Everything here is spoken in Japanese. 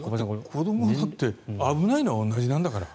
子どもだって危ないのは同じなんだから。